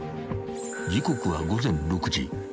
［時刻は午前６時］